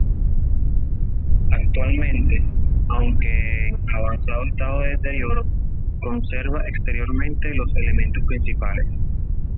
Actualmente, aunque en avanzado estado de deterioro, conserva exteriormente los elementos principales.